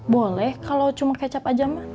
boleh kalau cuma kecap aja